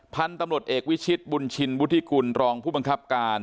พันธุ์ตำรวจเอกวิชิตบุญชินวุฒิกุลรองผู้บังคับการ